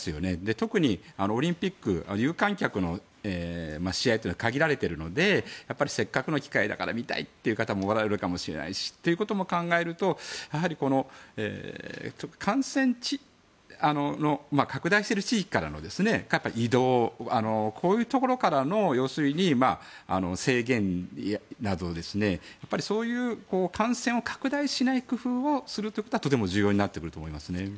特に、オリンピック有観客の試合というのは限られているのでせっかくの機会だから見たいという方もおられるかもしれないし。ということも考えるとやはり感染が拡大している地域からの移動こういうところからの制限などそういう感染を拡大しない工夫をするということはとても重要になってくると思います。